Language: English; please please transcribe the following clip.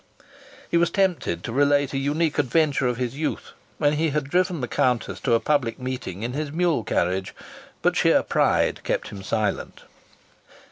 He was tempted to relate a unique adventure of his youth, when he had driven the Countess to a public meeting in his mule carriage, but sheer pride kept him silent.